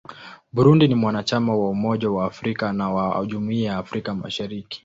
Burundi ni mwanachama wa Umoja wa Afrika na wa Jumuiya ya Afrika Mashariki.